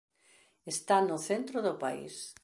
Está no centro do país.